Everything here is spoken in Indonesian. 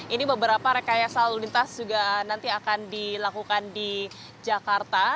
ini beberapa rekayasa lalu lintas juga nanti akan dilakukan di jakarta